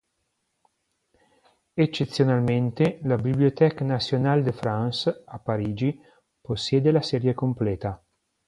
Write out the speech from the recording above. Eccezionalmente, la Bibliothèque Nationale de France, a Parigi, possiede la serie completa.